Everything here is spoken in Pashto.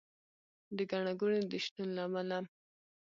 د ګڼه ګوڼې د شتون له امله